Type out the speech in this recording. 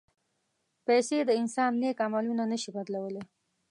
پېسې د انسان نیک عملونه نه شي بدلولی.